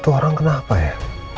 itu orang kenapa ya